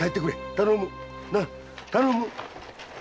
頼む！